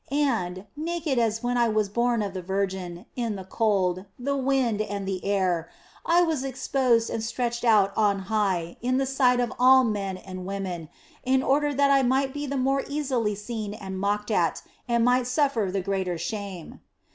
And, naked as when I was born of the Virgin, in the cold, the wind, and the air, I was exposed and stretched out on high in the sight of all men and women, in order that I might be the more easily seen and mocked at and might suffer the greater shame.